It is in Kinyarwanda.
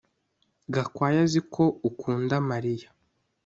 Gakwaya azi ko ukunda Mariya